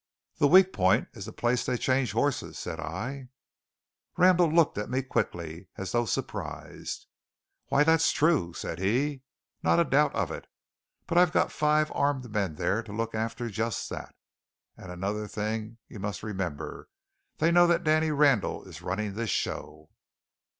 "The weak point is the place they change horses," said I. Randall looked at me quickly, as though surprised. "Why, that's true," said he; "not a doubt of it. But I've got five armed men there to look after just that. And another thing you must remember: they know that Danny Randall is running this show."